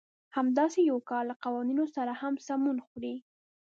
همداسې يو کار له قوانينو سره هم سمون خوري.